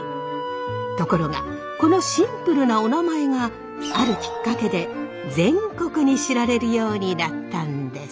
ところがこのシンプルなおなまえがあるきっかけで全国に知られるようになったんです。